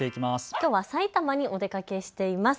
きょうはさいたまにお出かけしています。